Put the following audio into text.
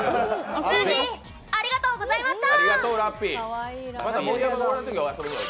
すーじー、ありがとうございました。